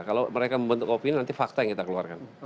kalau mereka membentuk opini nanti fakta yang kita keluarkan